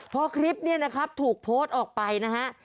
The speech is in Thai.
เพราะคลิปนี้ถูกโพสต์ออกไปนะฮะ